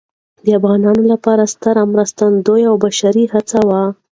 د افغانانو لپاره ستره مرستندویه او بشري هڅه وه.